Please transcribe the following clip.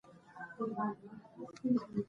په سنن ترمذي، طبراني او د احاديثو په نورو کتابونو کي